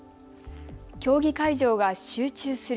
競技会場が集中する